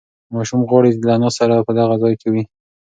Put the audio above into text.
ماشوم غواړي چې له انا سره په دغه ځای کې وي.